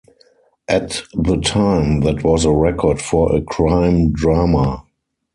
At the time that was a record for a crime drama.